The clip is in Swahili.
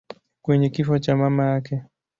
kwenye kifo cha mama yake.